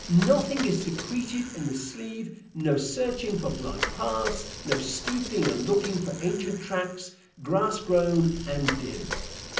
Nothing is secreted in the sleeve no searching for blind paths no stooping and looking for ancient tracks, grass grown and dim.